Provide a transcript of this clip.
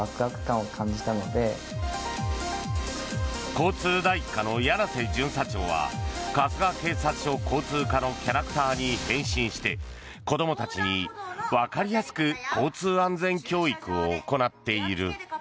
交通第１課の柳瀬巡査長は春日警察署交通課のキャラクターに変身して子どもたちに、わかりやすく交通安全教育を行っている。